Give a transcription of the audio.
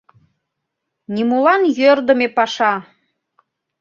Нимолан йӧрдымӧ паша!